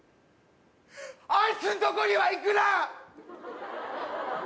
あいつんとこには行くな！